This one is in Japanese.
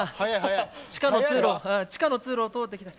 地下の通路を通ってきた。